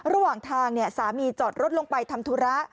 ระหว่างทางสามีจอดรถลงไปทำธุระ